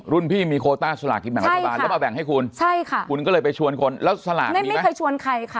พี่มีโคต้าสลากกินแบ่งรัฐบาลแล้วมาแบ่งให้คุณใช่ค่ะคุณก็เลยไปชวนคนแล้วสลากไม่เคยชวนใครค่ะ